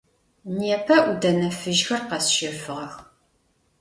Непэ ӏудэнэ фыжьхэр къэсщэфыгъэх.